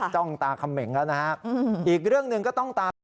ต้องตาเขม็งแล้วนะฮะ